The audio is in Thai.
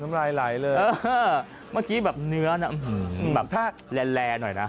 เมื่อกี้เนื้อแหล่นหน่อยนะ